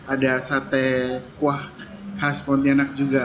ada sate kuah khas pontianak juga